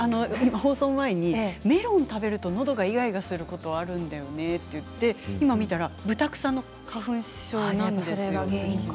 放送前にメロンを食べるとのどがいがいがするということがあるんだよね、と言っていて今、見たらブタクサの花粉症なんですよね